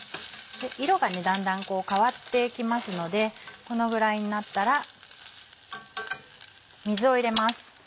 色がねだんだん変わってきますのでこのぐらいになったら水を入れます。